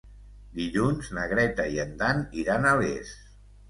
Dilluns na Greta i en Dan iran a Les.